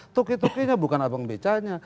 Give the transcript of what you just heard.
toke toke nya bukan abang beca nya